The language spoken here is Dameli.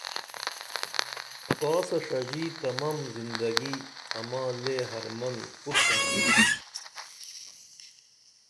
کاسہ ݜژی تمم زندگی اماں لے حرمن کُوتُھمہ